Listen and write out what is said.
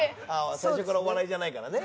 最初からお笑いじゃないからね。